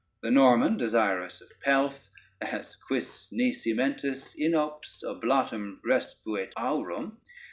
The Norman desirous of pelf as _Quis nisi mentis inops oblatum respuit aurum?